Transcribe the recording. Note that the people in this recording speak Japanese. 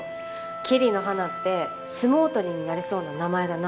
「桐野花って相撲取りになれそうな名前だな」